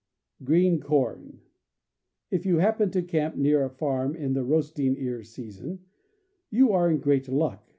Green Corn. — If you happen to camp near a farm in the " roasting ear " season, you are in great luck.